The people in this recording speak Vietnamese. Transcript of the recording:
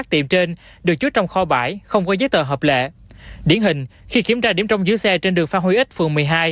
trong bãi giữ xe trên đường phan huy ích phường một mươi hai